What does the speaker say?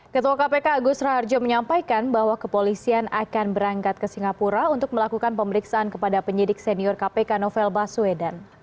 ketua kpk agus raharjo menyampaikan bahwa kepolisian akan berangkat ke singapura untuk melakukan pemeriksaan kepada penyidik senior kpk novel baswedan